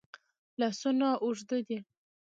لاسونه اوږد دي.